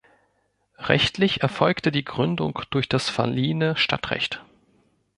Rechtlich erfolgte die Gründung durch das verliehene Stadtrecht.